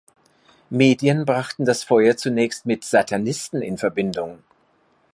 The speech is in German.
Medien brachten das Feuer zunächst mit Satanisten in Verbindung.